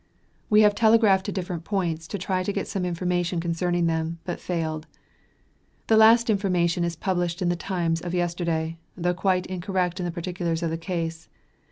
We have telegraphed to different points, to try to get some information concerning them, but failed. The last information is published in the Times of yesterday, though quite incorrect in the particulars of the case.